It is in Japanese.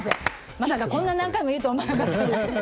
まさかこんなに何回も言うとは思わなかったんで。